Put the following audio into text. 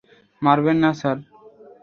মারবেন না, স্যার।